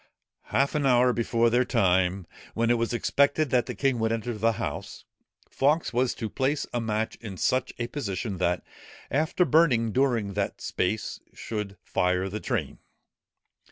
Half an hour before the time, when it was expected that the king would enter the house, Fawkes was to place a match in such a position, that after burning during that space, should fire the train.